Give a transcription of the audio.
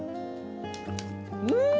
うん！